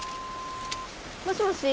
もしもし？